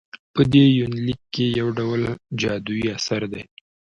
په دې يونليک کې يوډول جادويي اثر دى